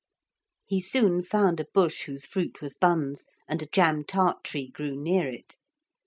He soon found a bush whose fruit was buns, and a jam tart tree grew near it.